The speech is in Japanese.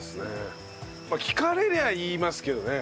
聞かれりゃ言いますけどね。